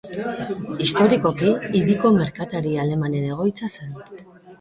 Historikoki hiriko merkatari alemanen egoitza zen.